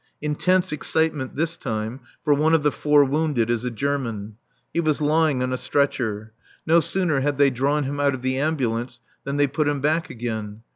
Intense excitement this time, for one of the four wounded is a German. He was lying on a stretcher. No sooner had they drawn him out of the ambulance than they put him back again.